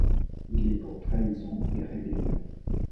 Il est pour trahison et rébellion.